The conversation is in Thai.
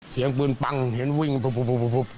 เสียงปืนปั้งเห็นวิ่งปุ๊บ